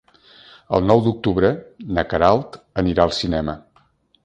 El nou d'octubre na Queralt anirà al cinema.